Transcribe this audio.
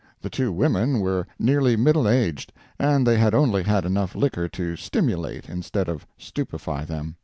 The two women were nearly middle aged, and they had only had enough liquor to stimulate instead of stupefy them.